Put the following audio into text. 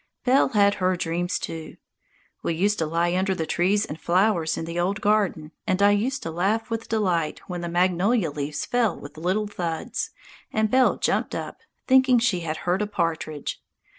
Belle had her dreams too. We used to lie under the trees and flowers in the old garden, and I used to laugh with delight when the magnolia leaves fell with little thuds, and Belle jumped up, thinking she had heard a partridge.